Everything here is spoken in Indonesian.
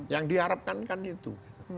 yang diharapkankan itu